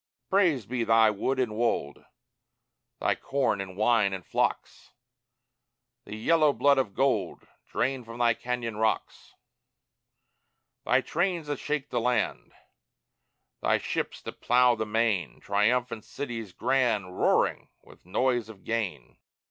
Praised be thy wood and wold, Thy corn and wine and flocks, The yellow blood of gold Drained from thy cañon rocks; Thy trains that shake the land, Thy ships that plough the main, Triumphant cities grand Roaring with noise of gain.